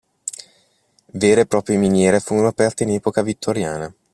Vere e proprie miniere furono aperte in Epoca vittoriana.